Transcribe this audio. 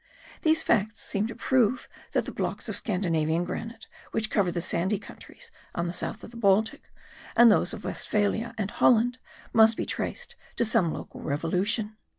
These facts seem to prove that the blocks of Scandinavian granite which cover the sandy countries on the south of the Baltic, and those of Westphalia and Holland, must be traced to some local revolution.